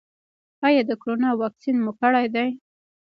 ایا د کرونا واکسین مو کړی دی؟